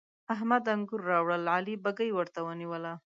احمد انګور راوړل؛ علي بږۍ ورته ونيو.